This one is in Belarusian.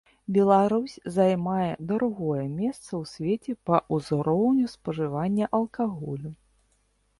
Беларусь займае другое месца ў свеце па ўзроўню спажывання алкаголю.